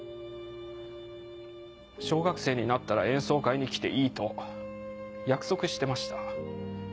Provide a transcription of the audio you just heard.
小学生になったら演奏会に来ていいと約束してました。